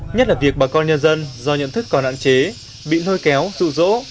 nhất là việc bà con nhân dân do nhận thức còn hạn chế bị lôi kéo rụ rỗ